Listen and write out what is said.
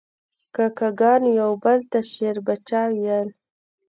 کاکه ګانو یو بل ته شیربچه ویل.